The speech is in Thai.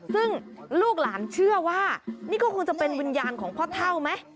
ซึ่งลูกหลานเชื่อว่านี่ก็คงจะเป็นวิญญาณของพ่อเท่าไหม